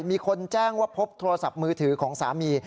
มีคนแจ้งว่าพบโทรศัพท์มือถือของสามี